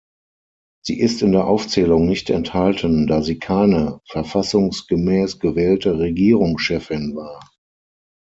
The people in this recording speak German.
Sie ist in der Aufzählung nicht enthalten, da sie keine verfassungsgemäß gewählte Regierungschefin war.